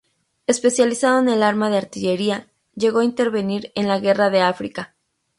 Especializado en el arma de artillería, llegó a intervenir en la Guerra de África.